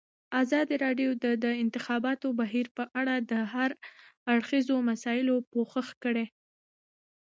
ازادي راډیو د د انتخاباتو بهیر په اړه د هر اړخیزو مسایلو پوښښ کړی.